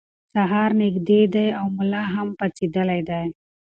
سهار نږدې دی او ملا هم پاڅېدلی دی.